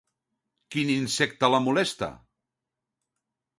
Quin insecte la molesta?